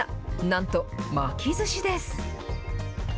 なんと巻きずしです。